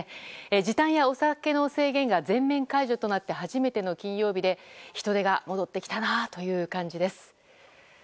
時短やお酒の制限が全面解除となって初めての金曜日で人出が戻ってきたなという感じです。